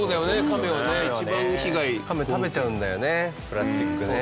カメ食べちゃうんだよねプラスチックね。